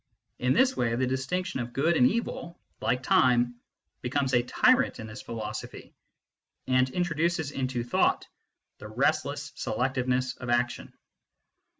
In this way the distinction of good and evil, like time, becomes a tyrant in this philosophy, and introduces into thought the restless selectiveness of action.